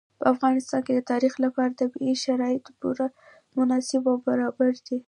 په افغانستان کې د تاریخ لپاره طبیعي شرایط پوره مناسب او برابر دي.